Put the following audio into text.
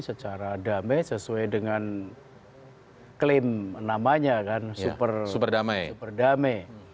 secara damai sesuai dengan klaim namanya kan super damai